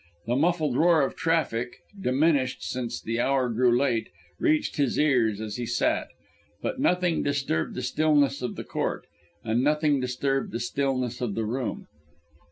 The muffled roar of traffic diminished, since the hour grew late reached his ears as he sat. But nothing disturbed the stillness of the court, and nothing disturbed the stillness of the room.